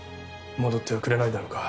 戻ってはくれないだろうか。